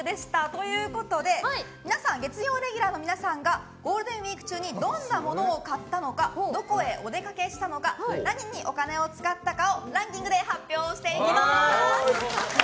ということで皆さん月曜レギュラーの皆さんがゴールデンウィーク中にどんなものを買ったのかどこへお出かけしたのか何にお金を使ったのかをランキングで発表していきます。